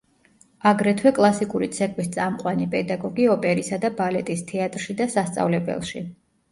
აგრეთვე კლასიკური ცეკვის წამყვანი პედაგოგი ოპერისა და ბალეტის თეატრში და სასწავლებელში.